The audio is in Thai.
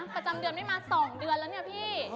ประจำเดือนนี้มา๒เดือนแล้วเนี่ยพี่